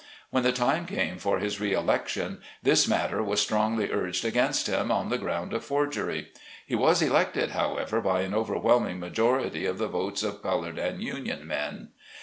When the time came for his re election, this mat ter was strongly urged against him on the ground of forgery. He was elected, however, by an over whelming majority of the votes of colored and union men.